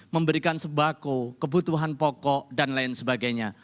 memberikan sembako kebutuhan pokok dan lain sebagainya